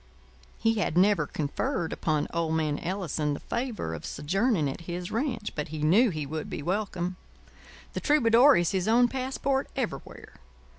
He had never conferred upon old man Ellison the favour of sojourning at his ranch; but he knew he would be welcome. The troubadour is his own passport everywhere.